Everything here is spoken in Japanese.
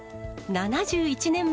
７１年前。